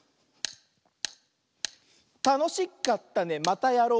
「たのしかったねまたやろう！」